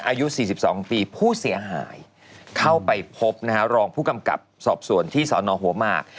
อายุ๔๒ปีผู้เสียหายเข้าไปพบนะฮะรองผู้กำกับสอบสวนที่สอนอหัวหมาก